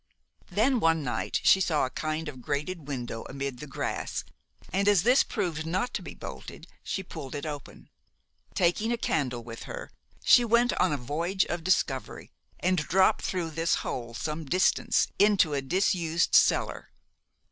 "Then one night she saw a kind of grated window amid the grass, and as this proved not to be bolted, she pulled it open. Taking a candle with her, she went on a voyage of discovery, and dropped through this hole some distance into a disused cellar.